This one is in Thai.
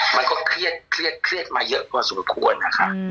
มันก็เครียดเครียดเครียดมาเยอะกว่าส่วนควรนะคะ